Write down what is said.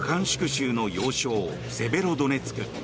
州の要衝セベロドネツク。